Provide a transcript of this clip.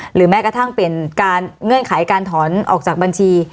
แม้กระทั่งเป็นการเงื่อนไขการถอนออกจากบัญชี